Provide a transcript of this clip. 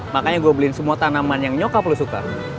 makanya gue beliin semua tanaman yang nyokap lo suka